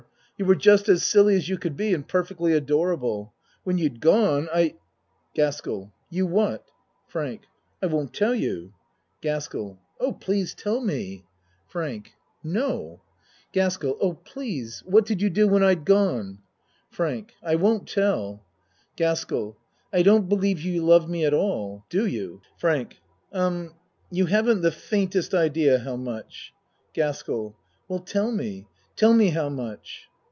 You were just as silly as you could be, and perfectly adorable. When you'd gone I GASKELL You what FRANK I won't tell you. GASKELL Oh, please tell me. 82 A MAN'S WORLD FRANK No. GASKELL Oh, please. What did you do when I'd gone? FRANK I won't tell. GASKELL I don't believe you love me at all. Do you? FRANK Um you haven't the faintest idea how much. GASKELL Well tell me tell me how much.